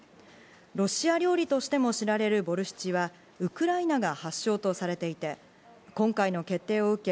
ロシア料理としても知られるボルシチはウクライナが発祥とされていて、今回の決定を受け